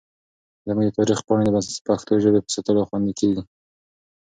زموږ د تاریخ پاڼې د پښتو ژبې په ساتلو خوندي کېږي.